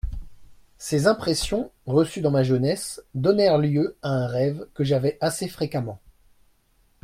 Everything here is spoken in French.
Ces impressions, reçues dans ma jeunesse, donnèrent lieu à un rêve que j'avais assez fréquemment.